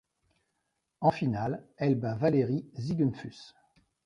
En finale, elle bat Valerie Ziegenfuss.